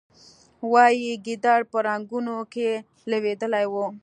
وایي ګیدړ په رنګونو کې لوېدلی و.